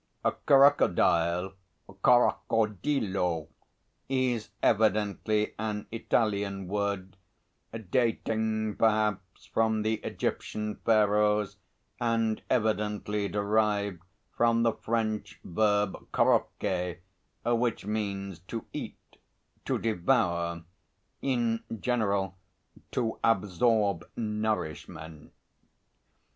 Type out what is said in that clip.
Crocodile crocodillo is evidently an Italian word, dating perhaps from the Egyptian Pharaohs, and evidently derived from the French verb croquer, which means to eat, to devour, in general to absorb nourishment.